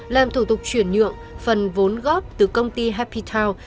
làm thủ tục chuyển nhựa phần vốn góp từ công ty happy town